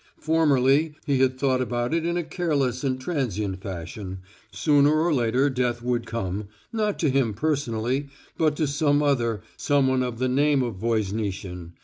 Formerly he had thought about it in a careless and transient fashion sooner or later death would come, not to him personally, but to some other, someone of the name of Voznitsin.